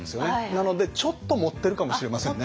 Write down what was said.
なのでちょっと盛ってるかもしれませんね。